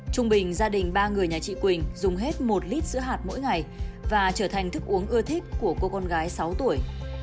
trung bình gia đình ba người nhà chị quỳnh dùng hết một lít sữa hạt mỗi ngày và trở thành thức uống ưa thích của cô con gái sáu tuổi